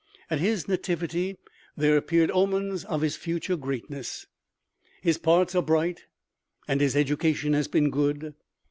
At his nativity there appeared omens of his future greatness. His parts are bright, and his education has been good.